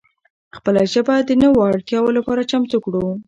خپله ژبه د نوو اړتیاو لپاره چمتو کړو.